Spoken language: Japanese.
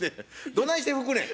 どないして拭くねん。